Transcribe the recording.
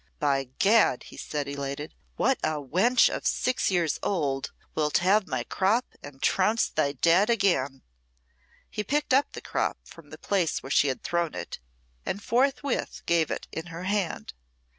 "By Gad!" he said, elated. "What a wench of six years old. Wilt have my crop and trounce thy Dad again!" He picked up the crop from the place where she had thrown it, and forthwith gave it in her hand.